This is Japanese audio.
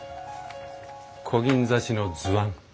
こぎん刺しの図案。